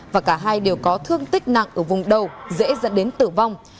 và cả hai đều có thương tích nặng ở vùng đầu dễ dẫn đến tử vong